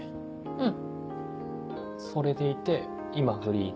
うん。